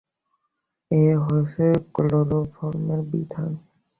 এ হচ্ছে ক্লোরোফর্মের বিধান।